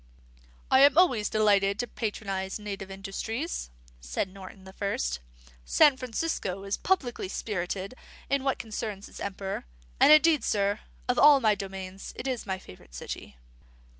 "I am always delighted to patronise native industries," said Norton the First. "San Francisco is public spirited in what concerns its Emperor; and indeed, sir, of all my domains, it is my favourite city."